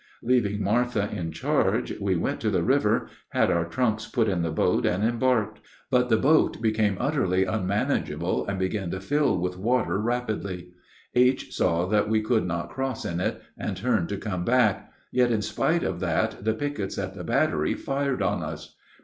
Leaving Martha in charge, we went to the river, had our trunks put in the boat, and embarked; but the boat became utterly unmanageable, and began to fill with water rapidly. H. saw that we could not cross in it, and turned to come back; yet in spite of that the pickets at the battery fired on us.